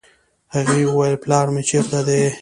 هغې وويل پلار مې چېرته دی.